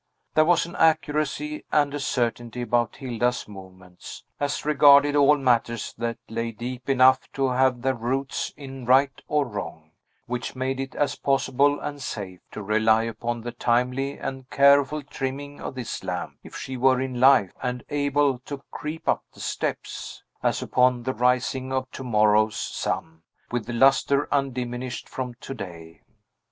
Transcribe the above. There was an accuracy and a certainty about Hilda's movements, as regarded all matters that lay deep enough to have their roots in right or wrong, which made it as possible and safe to rely upon the timely and careful trimming of this lamp (if she were in life, and able to creep up the steps), as upon the rising of to morrow's sun, with lustre undiminished from to day.